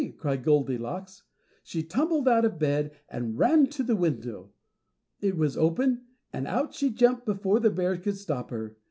cried Goldilocks. She tumbled out of bed and ran to the window. It was open, and out she jumped before the bears could stop her.